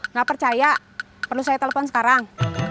nggak percaya perlu saya telepon sekarang